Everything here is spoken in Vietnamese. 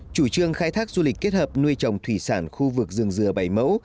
chủ trương khai thác du lịch kết hợp nuôi trồng thủy sản khu vực rừng dừa bảy mẫu